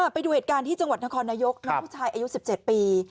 ไปดูเหตุการณ์ที่จังหวัดนครนายกน้องผู้ชายอายุ๑๗ปี